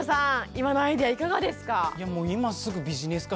今のアイデアいかがですか？